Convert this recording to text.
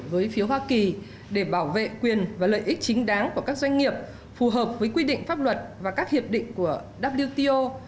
với phía hoa kỳ để bảo vệ quyền và lợi ích chính đáng của các doanh nghiệp phù hợp với quy định pháp luật và các hiệp định của wto